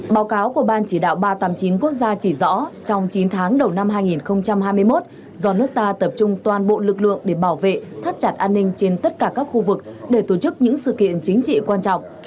báo cáo của ban chỉ đạo ba trăm tám mươi chín quốc gia chỉ rõ trong chín tháng đầu năm hai nghìn hai mươi một do nước ta tập trung toàn bộ lực lượng để bảo vệ thắt chặt an ninh trên tất cả các khu vực để tổ chức những sự kiện chính trị quan trọng